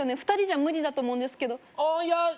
２人じゃ無理だと思うんですけどいや